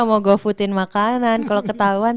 mau go food in makanan kalau ketahuan